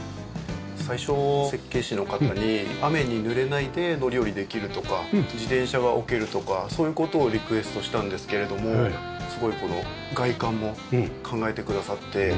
最初設計士の方に雨にぬれないで乗り降りできるとか自転車が置けるとかそういう事をリクエストしたんですけれどもすごいこの外観も考えてくださって入り口から見た時にインパクトがあるような。